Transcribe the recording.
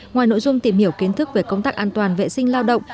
ngoài nội dung tìm hiểu kiến thức về công tác an toàn vệ sinh lao động